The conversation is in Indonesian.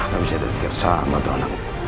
gak bisa dikir sama sama